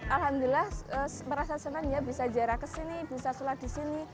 alhamdulillah merasa senang ya bisa jarak ke sini bisa sholat di sini